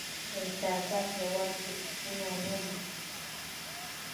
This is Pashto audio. امتیازات یوازې حقونه نه وو.